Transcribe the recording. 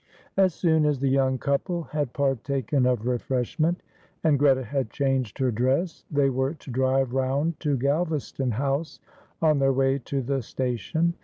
As soon as the young couple had partaken of refreshment and Greta had changed her dress, they were to drive round to Galvaston House on their way to the station.